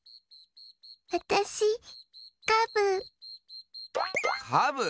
あたしカブ！カブ？